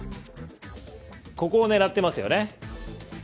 ここを狙ってますね。